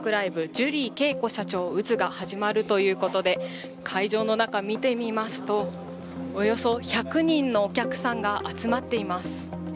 「ジュリー景子社長を撃つ！」が始まるということで会場の中、見てみますと、およそ１００人のお客さんが集まっています。